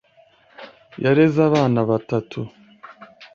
Yareze abana batanu.